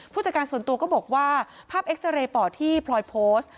ผู้จัดการส่วนตัวก็บอกว่าภาพเอ็กซาเรย์ปอดที่พลอยโพสต์